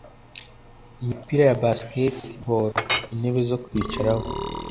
imipira ya “basketballs”, intebe zo kwicaraho